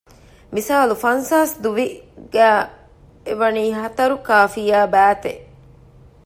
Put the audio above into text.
މިސާލު ފަންސާސް ދުވި ގައި އެ ވަނީ ހަތަރުކާފިޔާ ބައިތެއް